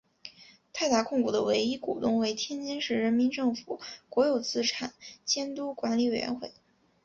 泰达控股的唯一股东为天津市人民政府国有资产监督管理委员会。